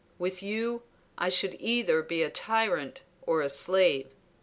With you I should be either a tyrant or a slave.